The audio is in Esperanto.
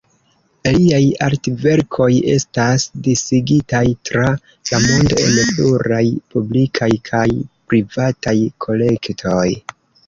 Liaj artverkoj estas disigitaj tra la mondo en pluraj publikaj kaj privataj kolektoj.